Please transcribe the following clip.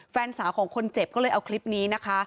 แฟนสาวของคนเจ็บก็เลยเอาคลิปนี้นะคะ